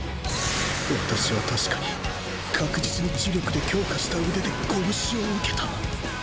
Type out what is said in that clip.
私は確かに確実に呪力で強化した腕で拳を受けた。